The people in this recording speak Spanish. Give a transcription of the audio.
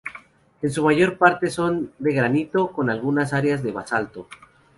En su mayor parte son de granito, con algunas áreas de basalto.